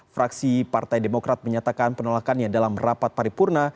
fraksi partai demokrat menyatakan penolakannya dalam rapat paripurna